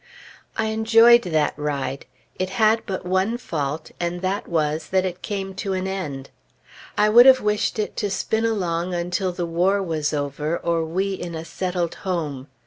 I enjoyed that ride. It had but one fault; and that was, that it came to an end. I would have wished it to spin along until the war was over, or we in a settled home.